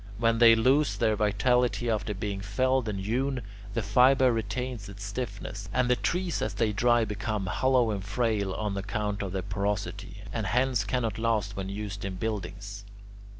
When they lose their vitality after being felled and hewn, the fibre retains its stiffness, and the trees as they dry become hollow and frail on account of their porosity, and hence cannot last when used in buildings.